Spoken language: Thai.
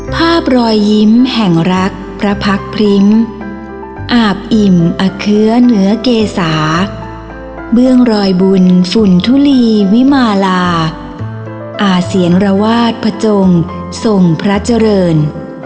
ภาพรอยยิ้มแห่งรักพระพักพริ้งอาบอิ่มอเคื้อเหนือเกษาเบื้องรอยบุญฝุ่นทุลีวิมาลาอาเสียงระวาดผจงทรงพระเจริญ